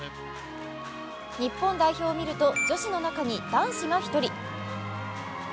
日本代表を見ると女子の中に男子が１人。